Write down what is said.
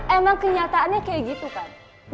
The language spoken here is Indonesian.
emang kenyataannya kayak gitu kan